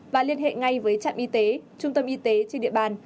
và liên hệ ngay với trạm y tế trung tâm y tế trên địa bàn